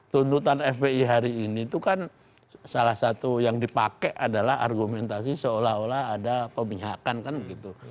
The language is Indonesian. tuntutan fpi hari ini itu kan salah satu yang dipakai adalah argumentasi seolah olah ada pemihakan kan gitu